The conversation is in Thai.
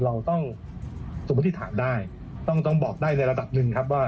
เราต้องสมมุติฐานได้ต้องบอกได้ในระดับหนึ่งครับว่า